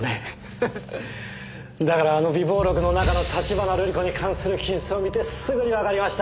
だからあの備忘録の中の橘瑠璃子に関する記述を見てすぐにわかりました。